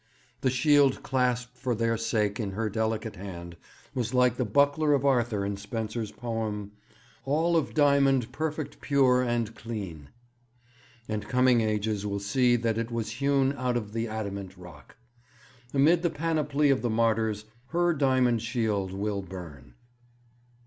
The shield clasped for their sake in her delicate hand was like the buckler of Arthur in Spenser's poem, "All of diamond perfect pure and cleene," and coming ages will see that it was hewn out of the adamant rock. Amid the panoply of the martyrs her diamond shield will burn.'